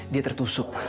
dia tertusuk pak